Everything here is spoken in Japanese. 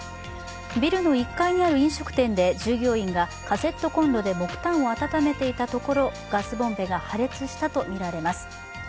ビルの１階にある飲食店で従業員がカセットコンロで木炭を温めていたところ、ガスボンベが破裂したとみられます。